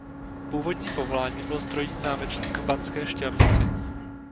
Původním povoláním byl strojní zámečník v Banské Štiavnici.